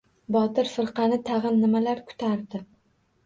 Botir firqani tag‘in nimalar kutardi?